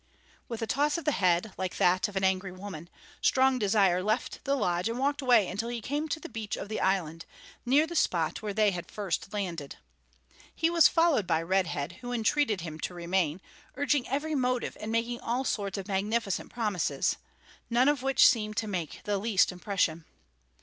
With a toss of the head, like that of an angry woman, Strong Desire left the lodge and walked away until he came to the beach of the island, near the spot where they had first landed. He was followed by Red Head, who entreated him to remain, urging every motive and making all sorts of magnificent promises none of which seemed to make the least impression.